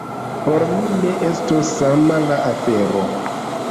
Por mi ne estos sama la afero.